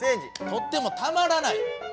「とってもたまらない」。